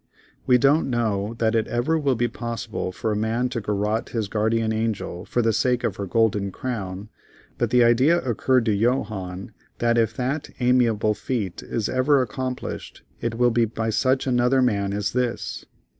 We don't know that it ever will be possible for a man to garrote his guardian angel for the sake of her golden crown, but the idea occurred to Johannes that if that amiable feat is ever accomplished, it will be by such another man as this.